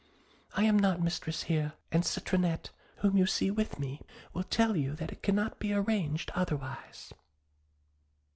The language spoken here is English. I am not mistress here; and Citronette, whom you see with me, will tell you that it cannot be arranged otherwise.'